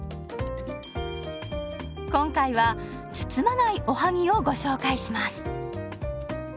今回は包まないおはぎをご紹介します。